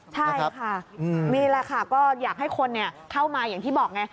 ใช่ค่ะนี่แหละค่ะก็อยากให้คนเข้ามาอย่างที่บอกไง